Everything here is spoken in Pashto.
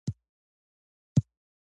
فعالیت د بدن تکړتیا لوړوي.